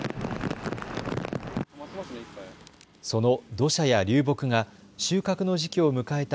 その土砂や流木が収穫の時期を迎えた